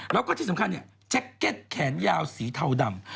แล้วก็ที่สำคัญเนี่ยแจ็คเก็ตแขนยาวสีเทาดำ